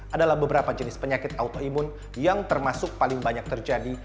adalah beberapa jenis penyakit autoimun yang termasuk paling banyak terjadi